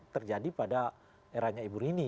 terjadi pada eranya ibu rini